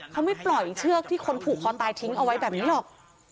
เขาไม่ปล่อยเชือกที่คนผูกคอตายทิ้งเอาไว้แบบนี้หรอก